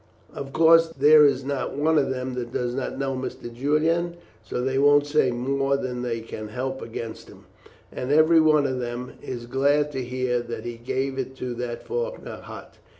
Of course, there is not one of them that does not know Mr. Julian, so they won't say more than they can help against him; and every one of them is glad to hear that he gave it to that Faulkner hot.